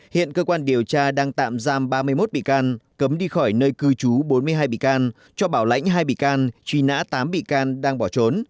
hiện cơ quan điều tra đang tạm giam ba mươi một bị can cấm đi khỏi nơi cư trú bốn mươi hai bị can cho bảo lãnh hai bị can truy nã tám bị can đang bỏ trốn